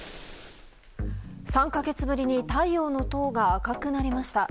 ３か月ぶりに太陽の塔が赤くなりました。